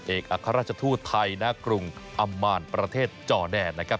เอกอัครราชทูตไทยณกรุงอำมานประเทศจอแดนนะครับ